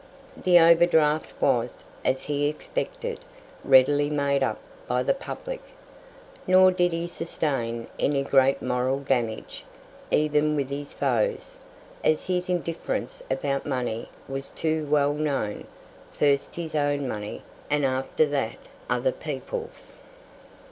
The overdraft was, as he expected, readily made up by the public. Nor did he sustain any great moral damage, even with his foes, as his indifference about money was too well known first his own money, and after that other people's.